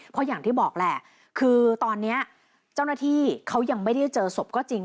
เพราะอย่างที่บอกแหละคือตอนนี้เจ้าหน้าที่เขายังไม่ได้เจอศพก็จริง